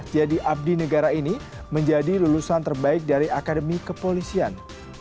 jadi abdi negara ini menjadi lulusan terbaik dari akademi kepolisian